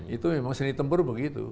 itu memang seni tempur begitu